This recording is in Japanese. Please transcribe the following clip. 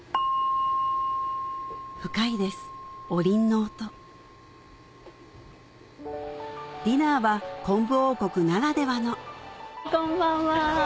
深いですおりんの音ディナーは昆布王国ならではのこんばんは。